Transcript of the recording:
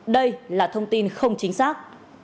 đây là thông tin không chính xác